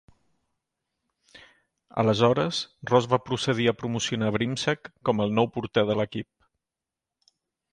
Aleshores, Ross va procedir a promocionar Brimsek com el nou porter de l'equip.